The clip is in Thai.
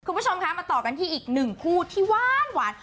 คุณผู้ชมคะมาต่อกันที่อีกหนึ่งคู่ที่หวาน